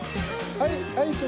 はい。